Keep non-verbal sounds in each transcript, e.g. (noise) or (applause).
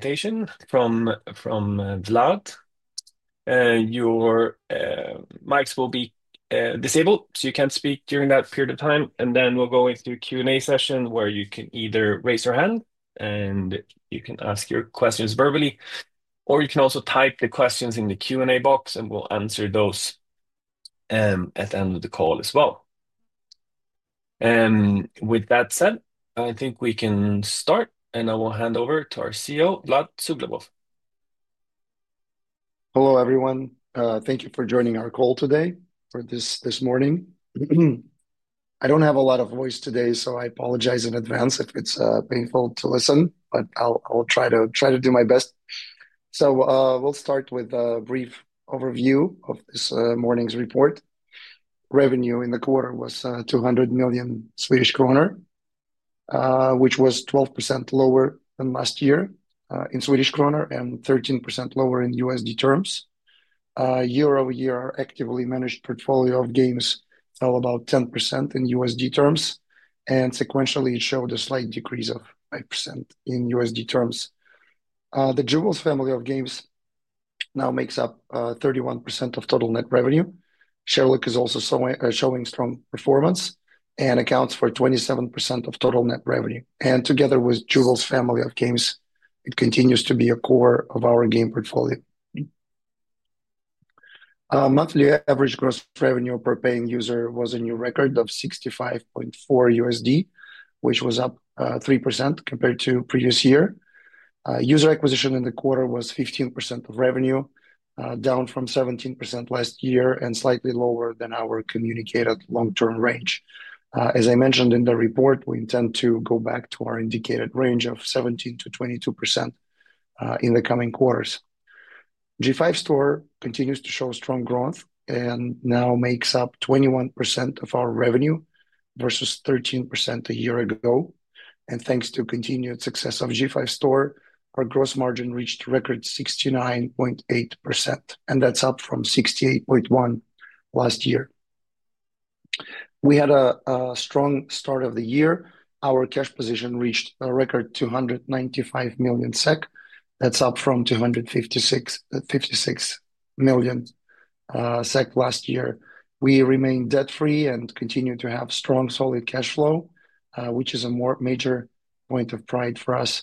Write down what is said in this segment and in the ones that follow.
Presentation from Vlad. Your mics will be disabled, so you can't speak during that period of time. Then we'll go into a Q&A session where you can either raise your hand and you can ask your questions verbally, or you can also type the questions in the Q&A box, and we'll answer those at the end of the call as well. With that said, I think we can start, and I will hand over to our CEO, Vlad Suglobov. Hello, everyone. Thank you for joining our call today this morning. I do not have a lot of voice today, so I apologize in advance if it is painful to listen, but I will try to do my best. We will start with a brief overview of this morning's report. Revenue in the quarter was 200 million Swedish kronor, which was 12% lower than last year in Swedish kronor and 13% lower in USD terms. Year-over-year, actively managed portfolio of games fell about 10% in USD terms, and sequentially, it showed a slight decrease of 5% in USD terms. The Jewels family of games now makes up 31% of total net revenue. Sherlock is also showing strong performance and accounts for 27% of total net revenue. Together with Jewels family of games, it continues to be a core of our game portfolio. Monthly average gross revenue per paying user was a new record of $65.4, which was up 3% compared to previous year. User acquisition in the quarter was 15% of revenue, down from 17% last year and slightly lower than our communicated long-term range. As I mentioned in the report, we intend to go back to our indicated range of 17%-22% in the coming quarters. G5 Store continues to show strong growth and now makes up 21% of our revenue versus 13% a year ago. Thanks to continued success of G5 Store, our gross margin reached record 69.8%, and that's up from 68.1% last year. We had a strong start of the year. Our cash position reached a record 295 million SEK. That's up from 256 million SEK last year. We remain debt-free and continue to have strong, solid cash flow, which is a major point of pride for us.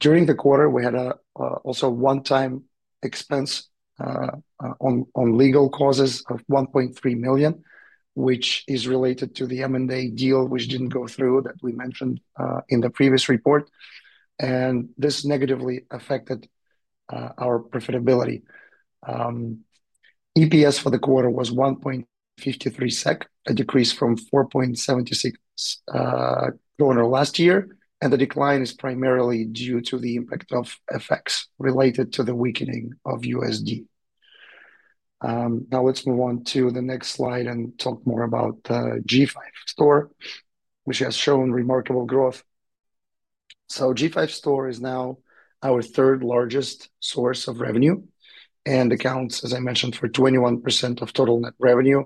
During the quarter, we had also one-time expense on legal causes of 1.3 million, which is related to the M&A deal which did not go through that we mentioned in the previous report. This negatively affected our profitability. EPS for the quarter was 1.53 SEK, a decrease from 4.76 last year. The decline is primarily due to the impact of effects related to the weakening of USD. Now let's move on to the next slide and talk more about G5 Store, which has shown remarkable growth. G5 Store is now our third largest source of revenue and accounts, as I mentioned, for 21% of total net revenue,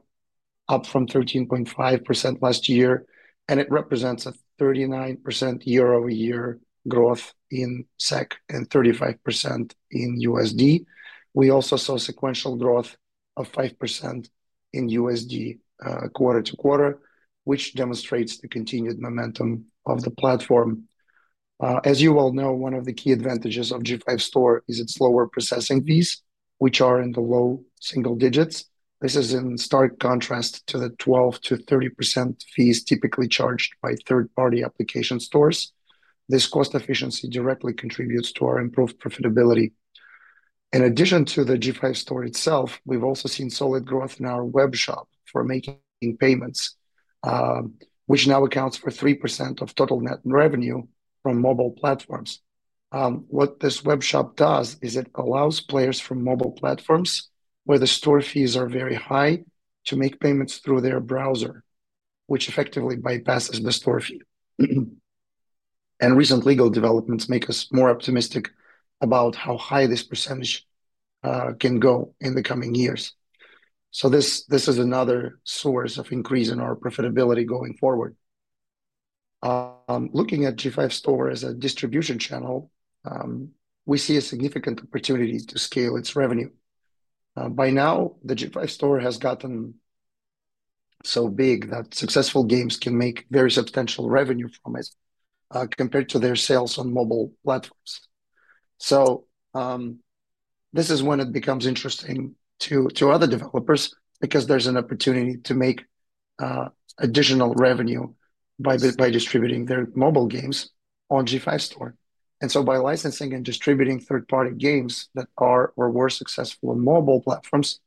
up from 13.5% last year. It represents a 39% year-over-year growth in SEK and 35% in USD. We also saw sequential growth of 5% in USD quarter to quarter, which demonstrates the continued momentum of the platform. As you all know, one of the key advantages of G5 Store is its lower processing fees, which are in the low single digits. This is in stark contrast to the 12%-30% fees typically charged by third-party application stores. This cost efficiency directly contributes to our improved profitability. In addition to the G5 Store itself, we've also seen solid growth in our web shop for making payments, which now accounts for 3% of total net revenue from mobile platforms. What this web shop does is it allows players from mobile platforms where the store fees are very high to make payments through their browser, which effectively bypasses the store fee. Recent legal developments make us more optimistic about how high this percentage can go in the coming years. This is another source of increase in our profitability going forward. Looking at G5 Store as a distribution channel, we see a significant opportunity to scale its revenue. By now, the G5 Store has gotten so big that successful games can make very substantial revenue from it compared to their sales on mobile platforms. This is when it becomes interesting to other developers because there is an opportunity to make additional revenue by distributing their mobile games on G5 Store. By licensing and distributing third-party games that are or were successful on mobile platforms,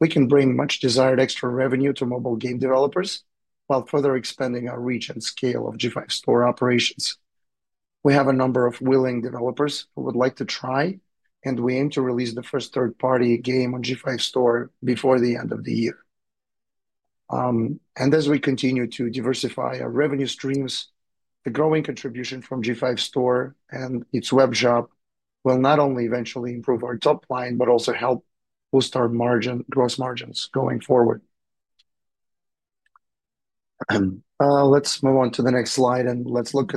we can bring much-desired extra revenue to mobile game developers while further expanding our reach and scale of G5 Store operations. We have a number of willing developers who would like to try, and we aim to release the first third-party game on G5 Store before the end of the year. As we continue to diversify our revenue streams, the growing contribution from G5 Store and its web shop will not only eventually improve our top line, but also help boost our gross margins going forward. Let's move on to the next slide, and let's look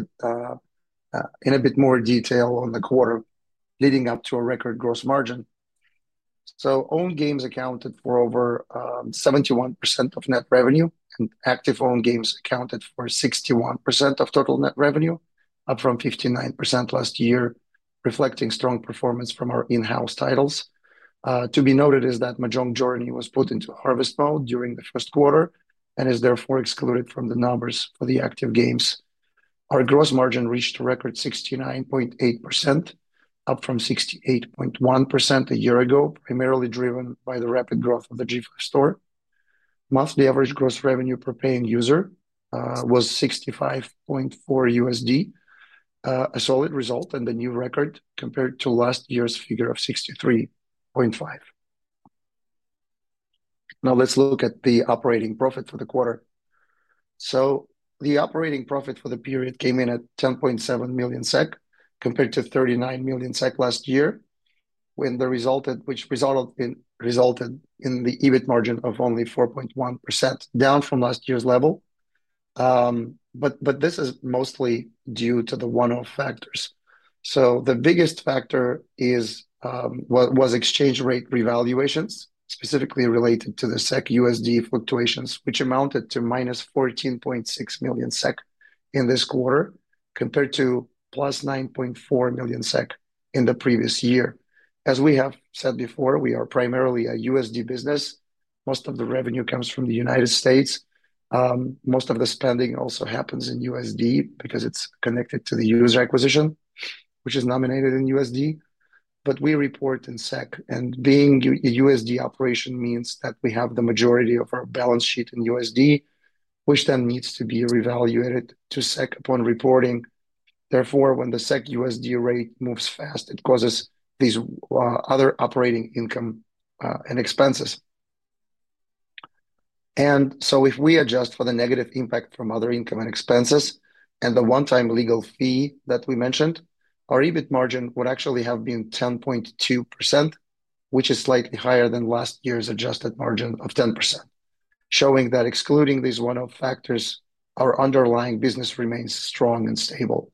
in a bit more detail on the quarter leading up to a record gross margin. Owned games accounted for over 71% of net revenue, and active owned games accounted for 61% of total net revenue, up from 59% last year, reflecting strong performance from our in-house titles. To be noted is that Mahjong Journey was put into harvest mode during the first quarter and is therefore excluded from the numbers for the active games. Our gross margin reached a record 69.8%, up from 68.1% a year ago, primarily driven by the rapid growth of the G5 Store. Monthly average gross revenue per paying user was $65.4, a solid result and a new record compared to last year's figure of $63.5. Now let's look at the operating profit for the quarter. The operating profit for the period came in at 10.7 million SEK compared to 39 million SEK last year, which resulted in the EBIT margin of only 4.1%, down from last year's level. This is mostly due to the one-off factors. The biggest factor was exchange rate revaluations, specifically related to the SEK-USD fluctuations, which amounted to -14.6 million SEK in this quarter compared to +9.4 million SEK in the previous year. As we have said before, we are primarily a USD business. Most of the revenue comes from the United States. Most of the spending also happens in USD because it's connected to the user acquisition, which is nominated in USD. We report in SEK, and being a USD operation means that we have the majority of our balance sheet in USD, which then needs to be revaluated to SEK upon reporting. Therefore, when the SEK-USD rate moves fast, it causes these other operating income and expenses. If we adjust for the negative impact from other income and expenses and the one-time legal fee that we mentioned, our EBIT margin would actually have been 10.2%, which is slightly higher than last year's adjusted margin of 10%, showing that excluding these one-off factors, our underlying business remains strong and stable.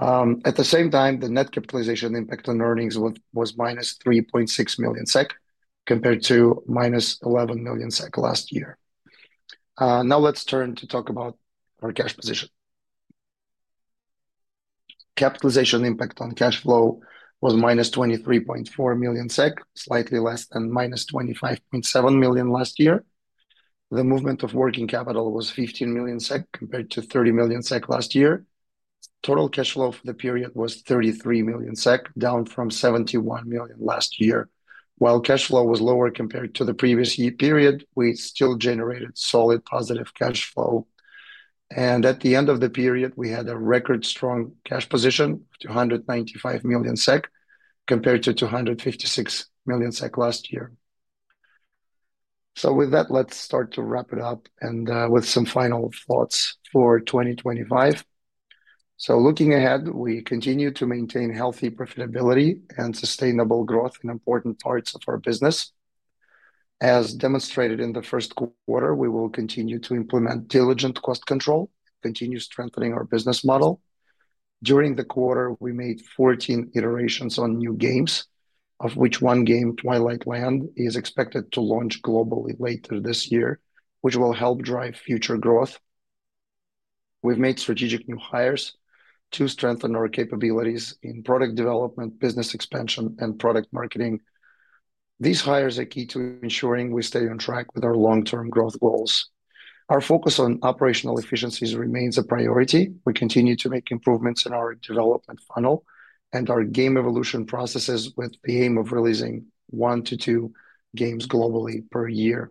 At the same time, the net capitalization impact on earnings was -3.6 million SEK compared to -11 million SEK last year. Now let's turn to talk about our cash position. Capitalization impact on cash flow was -23.4 million SEK, slightly less than -25.7 million last year. The movement of working capital was 15 million SEK compared to 30 million SEK last year. Total cash flow for the period was 33 million SEK, down from 71 million last year. While cash flow was lower compared to the previous year period, we still generated solid positive cash flow. At the end of the period, we had a record-strong cash position of 295 million SEK compared to 256 million SEK last year. With that, let's start to wrap it up with some final thoughts for 2025. Looking ahead, we continue to maintain healthy profitability and sustainable growth in important parts of our business. As demonstrated in the first quarter, we will continue to implement diligent cost control and continue strengthening our business model. During the quarter, we made 14 iterations on new games, of which one game, Twilight Land, is expected to launch globally later this year, which will help drive future growth. We have made strategic new hires to strengthen our capabilities in product development, business expansion, and product marketing. These hires are key to ensuring we stay on track with our long-term growth goals. Our focus on operational efficiencies remains a priority. We continue to make improvements in our development funnel and our game evolution processes with the aim of releasing one to two games globally per year.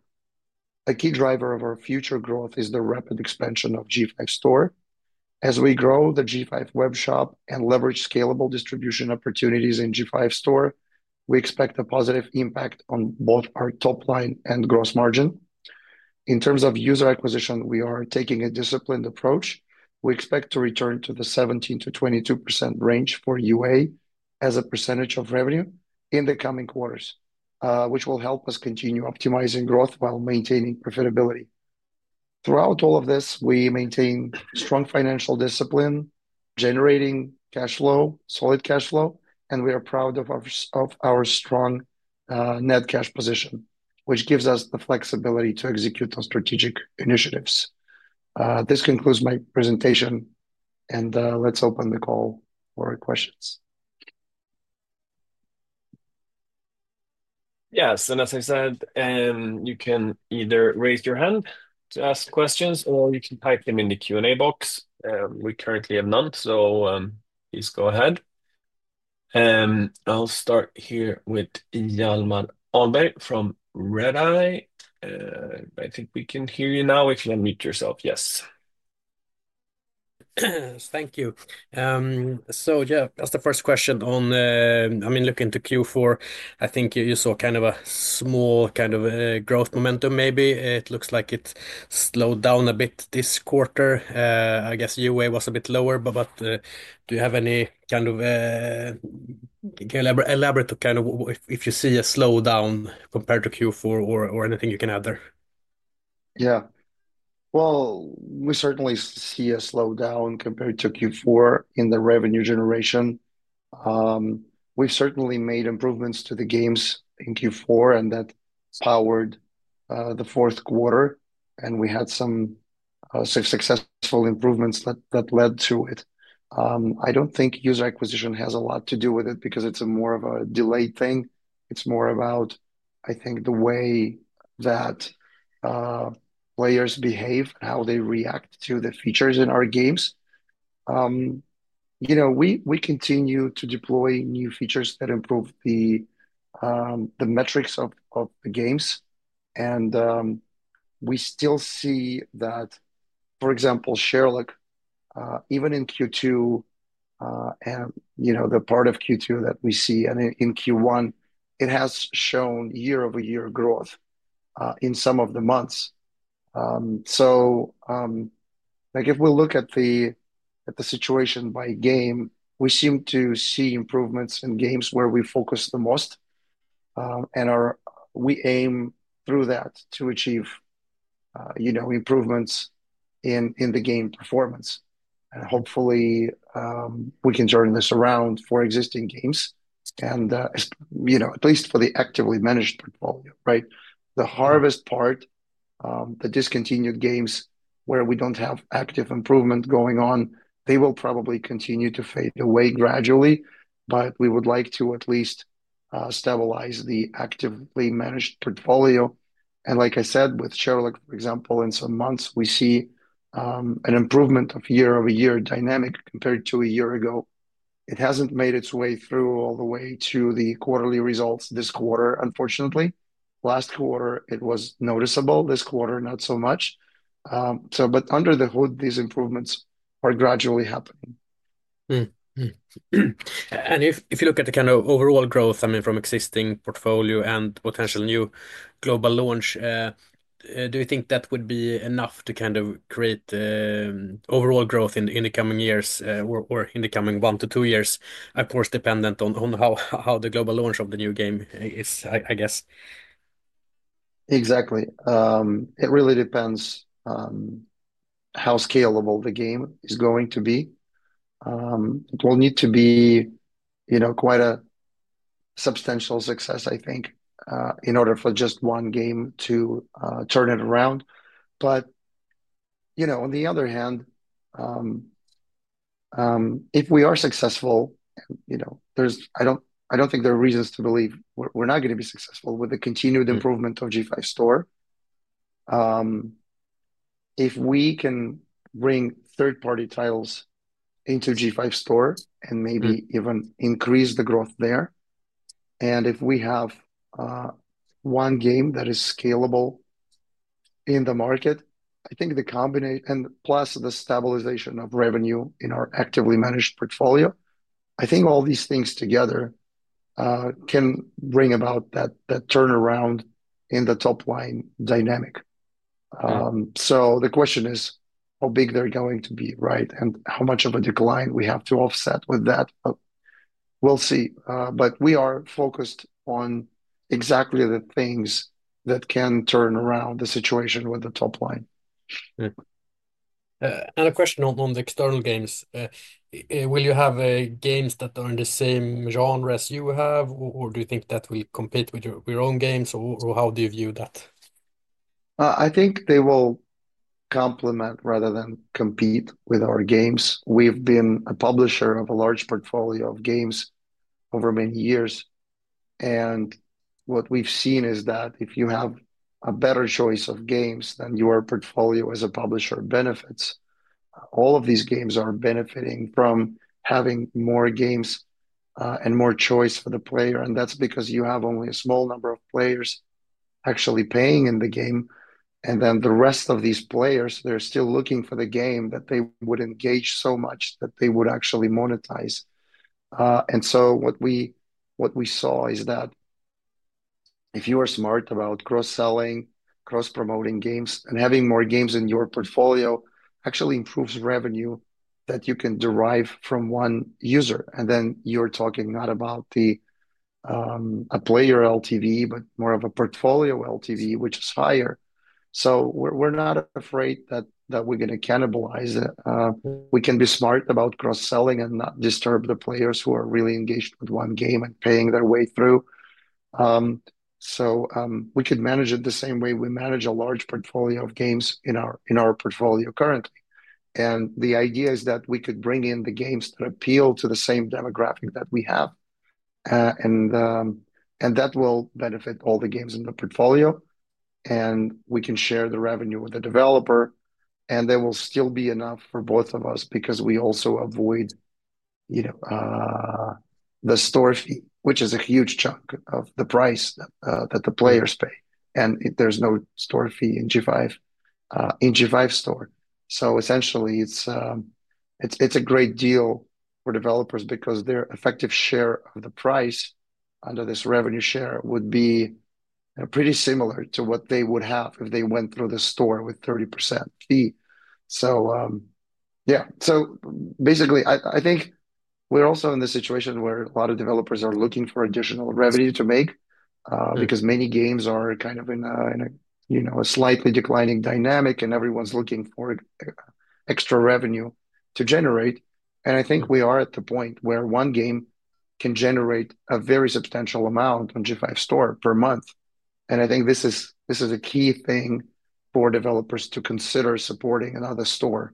A key driver of our future growth is the rapid expansion of G5 Store. As we grow the G5 Web Shop and leverage scalable distribution opportunities in G5 Store, we expect a positive impact on both our top line and gross margin. In terms of user acquisition, we are taking a disciplined approach. We expect to return to the 17%-22% range for UA as a percentage of revenue in the coming quarters, which will help us continue optimizing growth while maintaining profitability. Throughout all of this, we maintain strong financial discipline, generating solid cash flow, and we are proud of our strong net cash position, which gives us the flexibility to execute on strategic initiatives. This concludes my presentation, and let's open the call for questions. Yes. As I said, you can either raise your hand to ask questions or you can type them in the Q&A box. We currently have none, so please go ahead. I'll start here with Hjalmar Ahlberg from Redeye. I think we can hear you now if you unmute yourself. Yes. Thank you. So yeah, that's the first question. I mean, looking to Q4, I think you saw kind of a small kind of growth momentum. Maybe it looks like it slowed down a bit this quarter. I guess UA was a bit lower, but do you have any kind of elaborate kind of if you see a slowdown compared to Q4 or anything you can add there? Yeah. We certainly see a slowdown compared to Q4 in the revenue generation. We certainly made improvements to the games in Q4, and that powered the fourth quarter, and we had some successful improvements that led to it. I do not think user acquisition has a lot to do with it because it is more of a delayed thing. It is more about, I think, the way that players behave and how they react to the features in our games. We continue to deploy new features that improve the metrics of the games. We still see that, for example, Sherlock, even in Q2, the part of Q2 that we see, and in Q1, it has shown year-over-year growth in some of the months. If we look at the situation by game, we seem to see improvements in games where we focus the most. We aim through that to achieve improvements in the game performance. Hopefully, we can turn this around for existing games, and at least for the actively managed portfolio, right? The harvest part, the discontinued games where we do not have active improvement going on, they will probably continue to fade away gradually, but we would like to at least stabilize the actively managed portfolio. Like I said, with Sherlock, for example, in some months, we see an improvement of year-over-year dynamic compared to a year ago. It has not made its way through all the way to the quarterly results this quarter, unfortunately. Last quarter, it was noticeable. This quarter, not so much. Under the hood, these improvements are gradually happening. If you look at the kind of overall growth, I mean, from existing portfolio and potential new global launch, do you think that would be enough to kind of create overall growth in the coming years or in the coming one to two years, of course, dependent on how the global launch of the new game is, I guess? Exactly. It really depends on how scalable the game is going to be. It will need to be quite a substantial success, I think, in order for just one game to turn it around. On the other hand, if we are successful, I do not think there are reasons to believe we are not going to be successful with the continued improvement of G5 Store. If we can bring third-party titles into G5 Store and maybe even increase the growth there, and if we have one game that is scalable in the market, I think the combination, plus the stabilization of revenue in our actively managed portfolio, I think all these things together can bring about that turnaround in the top line dynamic. The question is how big they are going to be, right, and how much of a decline we have to offset with that. We will see. We are focused on exactly the things that can turn around the situation with the top line. Another question on the external games. Will you have games that are in the same genre as you have, or do you think that will compete with your own games, or how do you view that? I think they will complement rather than compete with our games. We've been a publisher of a large portfolio of games over many years. What we've seen is that if you have a better choice of games then your portfolio as a publisher benefits. All of these games are benefiting from having more games and more choice for the player. That is because you have only a small number of players actually paying in the game. The rest of these players, they're still looking for the game that they would engage so much that they would actually monetize. What we saw is that if you are smart about cross-selling, cross-promoting games, and having more games in your portfolio actually improves revenue that you can derive from one user. Then you're talking not about a player LTV, but more of a portfolio LTV, which is higher. We're not afraid that we're going to cannibalize it. We can be smart about cross-selling and not disturb the players who are really engaged with one game and paying their way through. We could manage it the same way we manage a large portfolio of games in our portfolio currently. The idea is that we could bring in the games that appeal to the same demographic that we have. That will benefit all the games in the portfolio. We can share the revenue with the developer. There will still be enough for both of us because we also avoid the store fee, which is a huge chunk of the price that the players pay. There is no store fee in G5 Store. Essentially, it is a great deal for developers because their effective share of the price under this revenue share would be pretty similar to what they would have if they went through the store with 30% fee. Basically, I think we are also in the situation where a lot of developers are looking for additional revenue to make because many games are kind of in a slightly declining dynamic, and everyone's looking for extra revenue to generate. I think we are at the point where one game can generate a very substantial amount on G5 Store per month. I think this is a key thing for developers to consider supporting another store.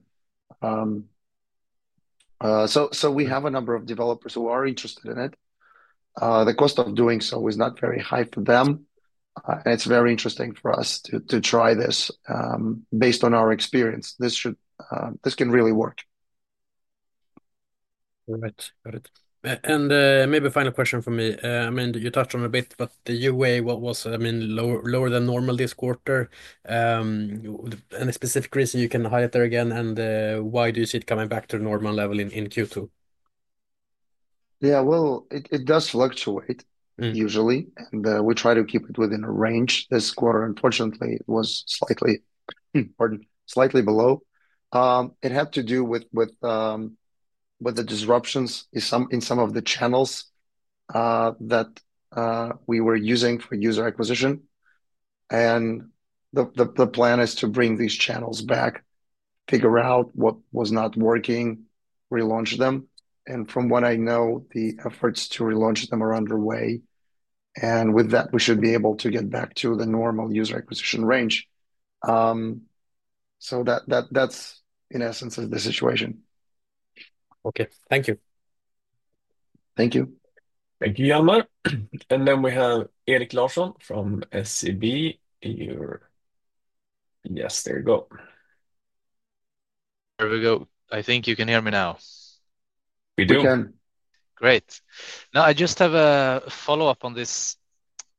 We have a number of developers who are interested in it. The cost of doing so is not very high for them. It is very interesting for us to try this based on our experience. This can really work. Right. Got it. Maybe a final question for me. I mean, you touched on it a bit, but the UA was, I mean, lower than normal this quarter. Any specific reason you can highlight there again, and why do you see it coming back to the normal level in Q2? Yeah, it does fluctuate usually, and we try to keep it within a range this quarter. Unfortunately, it was slightly below. It had to do with the disruptions in some of the channels that we were using for user acquisition. The plan is to bring these channels back, figure out what was not working, relaunch them. From what I know, the efforts to relaunch them are underway. With that, we should be able to get back to the normal user acquisition range. That is, in essence, the situation. Okay. Thank you. Thank you. Thank you, Hjalmar. Then we have Erik Larsson from SEB. Yes, there you go. There we go. I think you can hear me now. (crosstalk) We can. Great. I just have a follow-up on this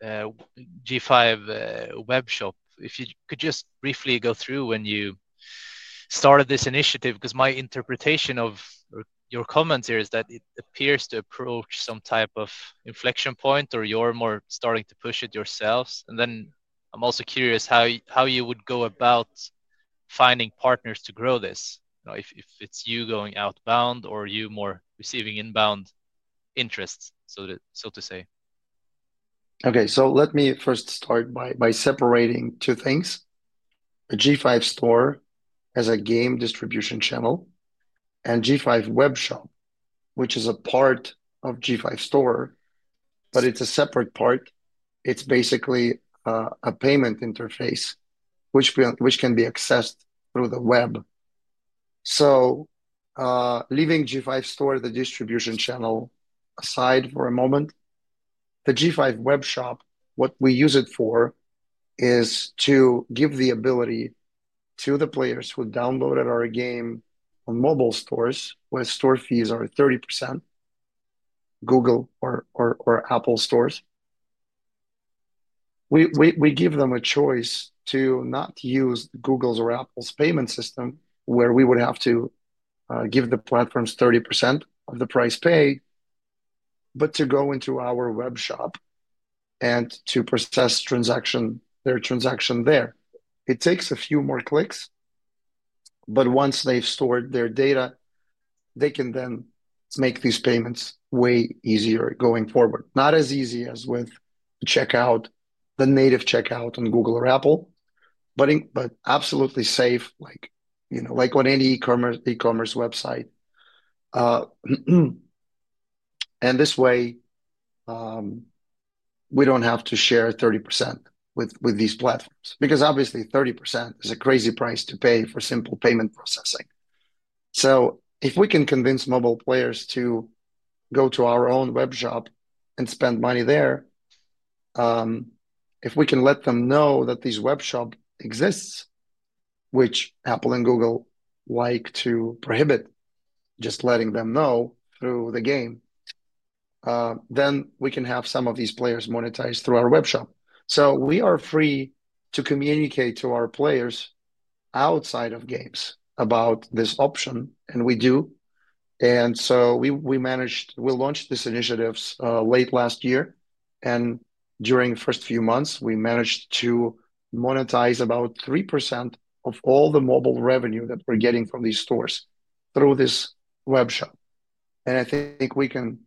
G5 Web Shop. If you could just briefly go through when you started this initiative, because my interpretation of your comments here is that it appears to approach some type of inflection point, or you are more starting to push it yourselves. I am also curious how you would go about finding partners to grow this, if it is you going outbound or you more receiving inbound interests, so to say. Okay. Let me first start by separating two things. G5 Store has a game distribution channel and G5 Web Shop, which is a part of G5 Store, but it is a separate part. It is basically a payment interface which can be accessed through the web. Leaving G5 Store, the distribution channel, aside for a moment, the G5 Web Shop, what we use it for is to give the ability to the players who downloaded our game on mobile stores where store fees are 30%, Google or Apple stores. We give them a choice to not use Google's or Apple's payment system where we would have to give the platforms 30% of the price pay, but to go into our web shop and to process their transaction there. It takes a few more clicks, but once they've stored their data, they can then make these payments way easier going forward. Not as easy as with the checkout, the native checkout on Google or Apple, but absolutely safe like on any e-commerce website. This way, we do not have to share 30% with these platforms because obviously, 30% is a crazy price to pay for simple payment processing. If we can convince mobile players to go to our own web shop and spend money there, if we can let them know that this web shop exists, which Apple and Google like to prohibit, just letting them know through the game, then we can have some of these players monetize through our web shop. We are free to communicate to our players outside of games about this option, and we do. We launched this initiative late last year. During the first few months, we managed to monetize about 3% of all the mobile revenue that we're getting from these stores through this web shop. I think we can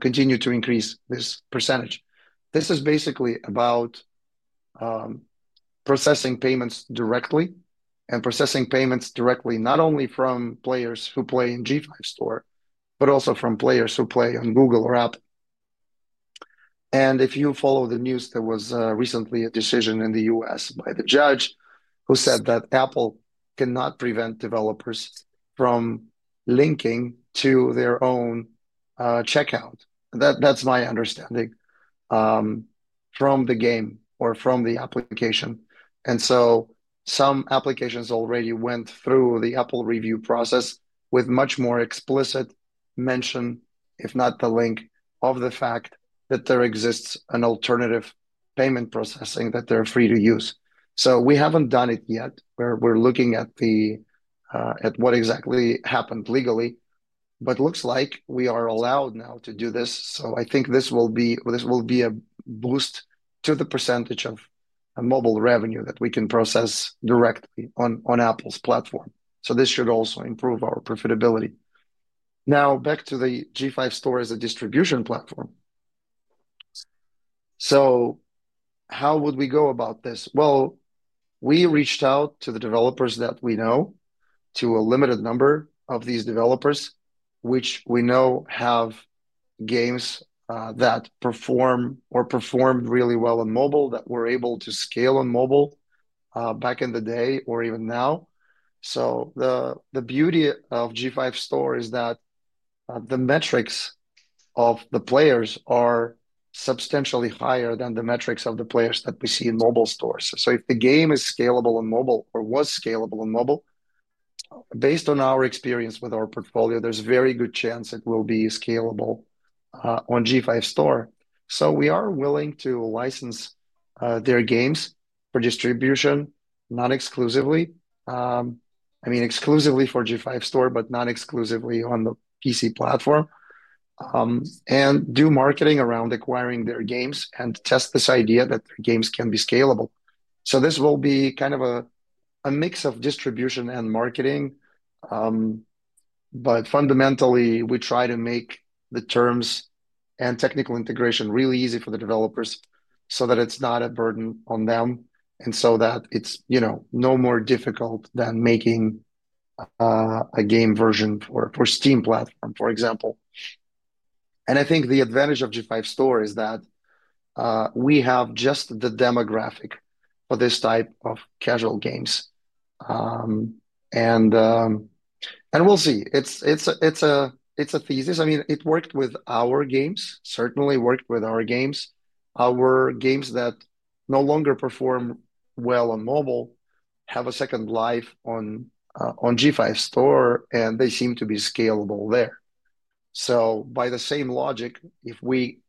continue to increase this percentage. This is basically about processing payments directly and processing payments directly not only from players who play in G5 Store, but also from players who play on Google or Apple. If you follow the news, there was recently a decision in the U.S. by the judge who said that Apple cannot prevent developers from linking to their own checkout. That is my understanding from the game or from the application. Some applications already went through the Apple review process with much more explicit mention, if not the link, of the fact that there exists an alternative payment processing that they are free to use. We have not done it yet. We are looking at what exactly happened legally, but it looks like we are allowed now to do this. I think this will be a boost to the percentage of mobile revenue that we can process directly on Apple's platform. This should also improve our profitability. Now, back to the G5 Store as a distribution platform. How would we go about this? We reached out to the developers that we know, to a limited number of these developers, which we know have games that perform or performed really well on mobile that were able to scale on mobile back in the day or even now. The beauty of G5 Store is that the metrics of the players are substantially higher than the metrics of the players that we see in mobile stores. If the game is scalable on mobile or was scalable on mobile, based on our experience with our portfolio, there is a very good chance it will be scalable on G5 Store. We are willing to license their games for distribution, not exclusively. I mean, exclusively for G5 Store, but not exclusively on the PC platform, and do marketing around acquiring their games and test this idea that their games can be scalable. This will be kind of a mix of distribution and marketing. Fundamentally, we try to make the terms and technical integration really easy for the developers so that it's not a burden on them and so that it's no more difficult than making a game version for Steam platform, for example. I think the advantage of G5 Store is that we have just the demographic for this type of casual games. We'll see. It's a thesis. I mean, it worked with our games, certainly worked with our games. Our games that no longer perform well on mobile have a second life on G5 Store, and they seem to be scalable there. By the same logic, if we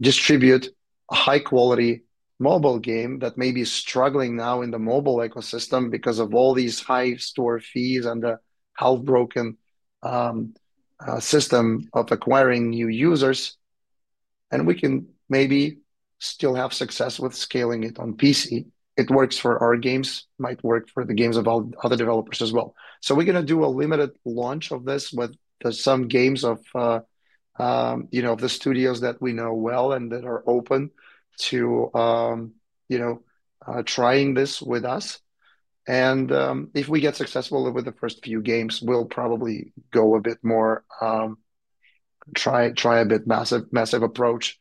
distribute a high-quality mobile game that may be struggling now in the mobile ecosystem because of all these high store fees and the half-broken system of acquiring new users, and we can maybe still have success with scaling it on PC, it works for our games, might work for the games of other developers as well. We are going to do a limited launch of this with some games of the studios that we know well and that are open to trying this with us. If we get successful with the first few games, we'll probably go a bit more, try a bit massive approach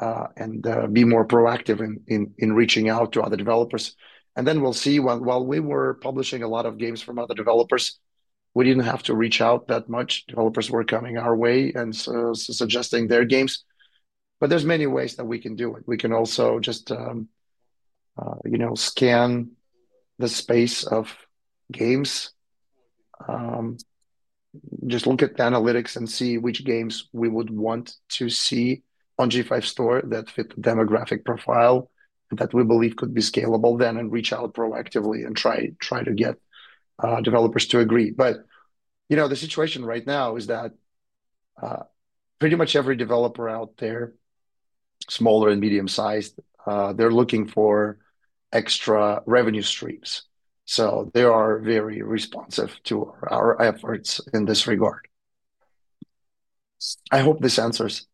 and be more proactive in reaching out to other developers. Then we'll see. While we were publishing a lot of games from other developers, we did not have to reach out that much. Developers were coming our way and suggesting their games. There are many ways that we can do it. We can also just scan the space of games, just look at analytics and see which games we would want to see on G5 Store that fit the demographic profile that we believe could be scalable then and reach out proactively and try to get developers to agree. The situation right now is that pretty much every developer out there, smaller and medium-sized, is looking for extra revenue streams. They are very responsive to our efforts in this regard. I hope this answers.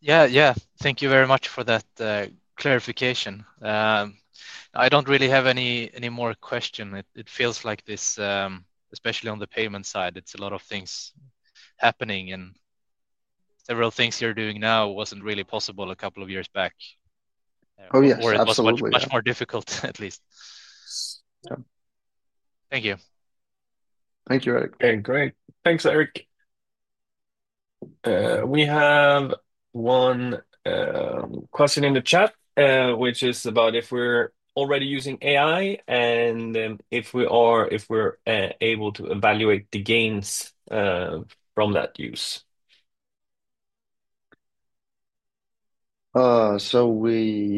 Yeah. Yeah. Thank you very much for that clarification. I do not really have any more questions. It feels like this, especially on the payment side, there are a lot of things happening. Several things you are doing now were not really possible a couple of years back. Oh, yeah. Absolutely. Much more difficult, at least. Thank you. Thank you, Erik. Okay. Great. Thanks, Erik. We have one question in the chat, which is about if we're already using AI and if we're able to evaluate the gains from that use.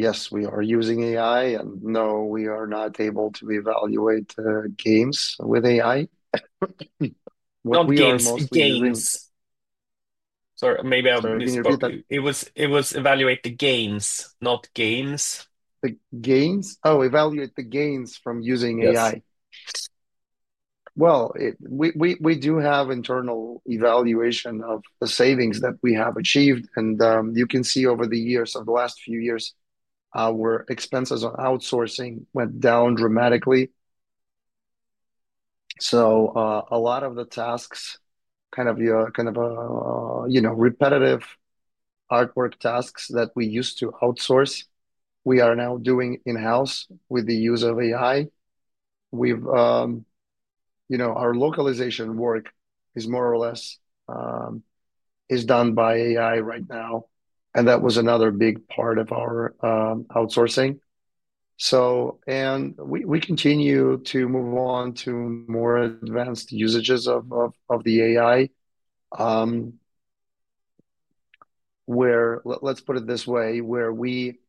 Yes, we are using AI. No, we are not able to evaluate games with AI. What we are mostly using— Sorry, maybe I misspoke. It was evaluate the gains, not games. The gains? Oh, evaluate the gains from using AI. We do have internal evaluation of the savings that we have achieved. You can see over the last few years, our expenses on outsourcing went down dramatically. A lot of the tasks, kind of repetitive artwork tasks that we used to outsource, we are now doing in-house with the use of AI. Our localization work is more or less done by AI right now. That was another big part of our outsourcing. We continue to move on to more advanced usages of the AI, let's put it this way, where we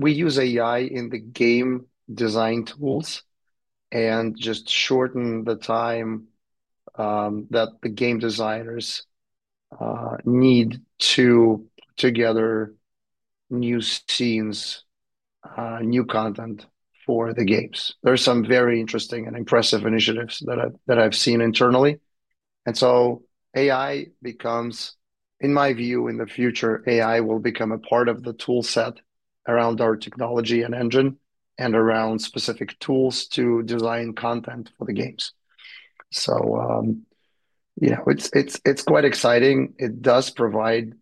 use AI in the game design tools and just shorten the time that the game designers need to put together new scenes, new content for the games. There are some very interesting and impressive initiatives that I've seen internally. AI becomes, in my view, in the future, AI will become a part of the toolset around our technology and engine and around specific tools to design content for the games. It is quite exciting. It does provide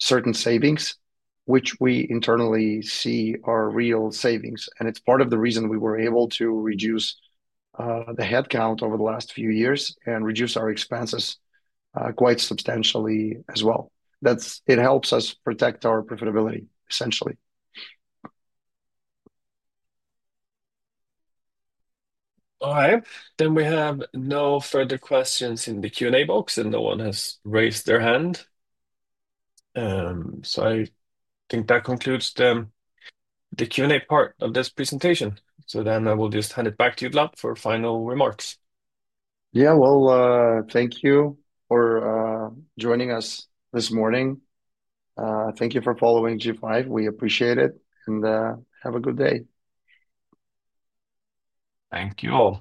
certain savings, which we internally see are real savings. It is part of the reason we were able to reduce the headcount over the last few years and reduce our expenses quite substantially as well. It helps us protect our profitability, essentially. All right. We have no further questions in the Q&A box, and no one has raised their hand. I think that concludes the Q&A part of this presentation. I will just hand it back to you, Vlad, for final remarks. Thank you for joining us this morning. Thank you for following G5. We appreciate it. Have a good day. Thank you all.